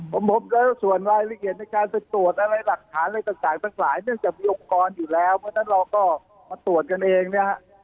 ผมพบแล้วส่วนรายละเอียดในการไปตรวจอะไรหลักฐานอะไรต่างทั้งหลายเนื่องจากมีองค์กรอยู่แล้วเพราะฉะนั้นเราก็มาตรวจกันเองนะฮะ